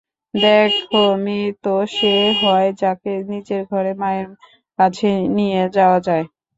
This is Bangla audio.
দেখো মেয়ে তো সে হয় যাকে নিজের ঘরে মায়ের কাছে নিয়ে যাওয়া যায়।